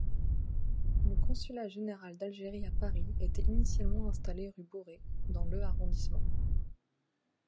Le consulat général d'Algérie à Paris était initialement installé rue Bouret, dans le arrondissement.